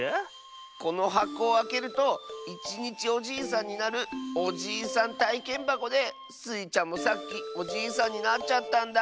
このはこをあけるといちにちおじいさんになるおじいさんたいけんばこでスイちゃんもさっきおじいさんになっちゃったんだ。